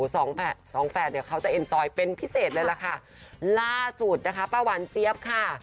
สองแดดสองแฝดเนี่ยเขาจะเอ็นตอยเป็นพิเศษเลยล่ะค่ะล่าสุดนะคะป้าหวานเจี๊ยบค่ะ